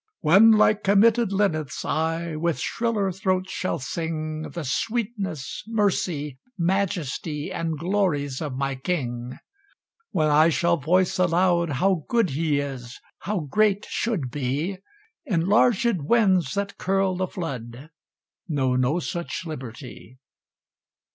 When (like committed linnets) I With shriller throat shall sing The sweetness, mercy, majesty And glories of my King; When I shall voice aloud how good He is, how great should be, Enlarged winds, that curl the flood, Know no such liberty.